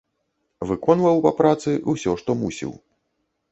Выконваў па працы ўсё, што мусіў.